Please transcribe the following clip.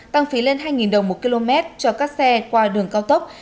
tăng phí lên hai đồng một km cho các xe qua đường cao tốc